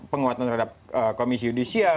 penguatan terhadap komisi judicial